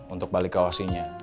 untuk balik ke aussie nya